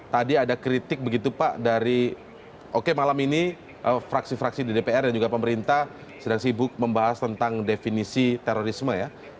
tadi ada kritik begitu pak dari oke malam ini fraksi fraksi di dpr dan juga pemerintah sedang sibuk membahas tentang definisi terorisme ya